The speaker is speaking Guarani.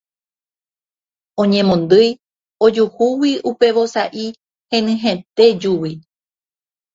Oñemondýi ojuhúgui upe vosa'i henyhẽte júgui.